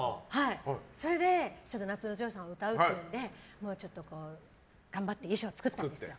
それで「夏のお嬢さん」を歌うっていうので頑張って衣装を作ったんです。